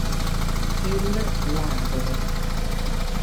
Il ladro